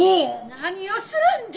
何をするんじゃ！